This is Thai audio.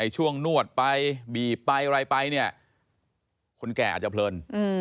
ช่วงนวดไปบีบไปอะไรไปเนี่ยคนแก่อาจจะเพลิน